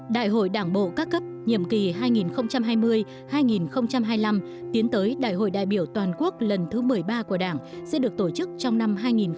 đại hội đảng bộ các cấp nhiệm kỳ hai nghìn hai mươi hai nghìn hai mươi năm tiến tới đại hội đại biểu toàn quốc lần thứ một mươi ba của đảng sẽ được tổ chức trong năm hai nghìn hai mươi